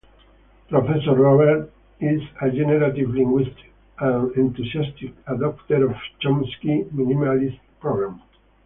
Professor Roberts is a generative linguist and enthusiastic adopter of Chomsky's Minimalist Program.